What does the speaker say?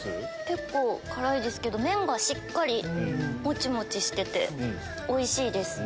結構辛いですけど麺がしっかりモチモチしてておいしいです。